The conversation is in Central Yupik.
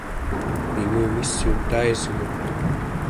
mingugissuun taisgu